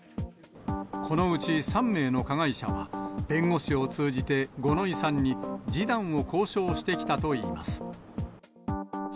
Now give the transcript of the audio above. このうち３名の加害者は、弁護士を通じて五ノ井さんに示談を交渉してきたといいます。